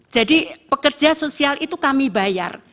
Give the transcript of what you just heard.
jadi pekerja sosial itu kami bayar